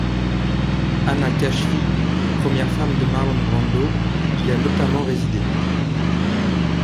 Anna Kashfi, première femme de Marlon Brando, y a notamment résidé.